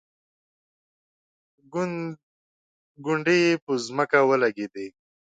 ګونډې یې په ځمکه ولګېدې.